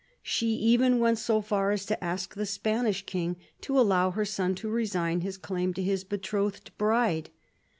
She even went so far as to ask the Spanish king to allow his son to resign his claim to his betrothed bride.